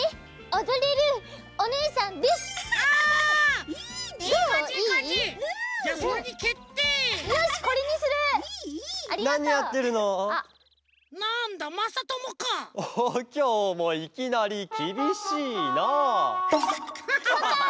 おおきょうもいきなりきびしいな。